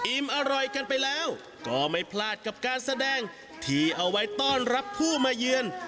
อร่อยกันไปแล้วก็ไม่พลาดกับการแสดงที่เอาไว้ต้อนรับผู้มาเยือน